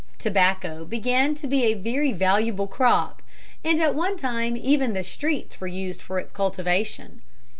Tobacco began to be a very valuable crop, and at one time even the streets were used for its cultivation.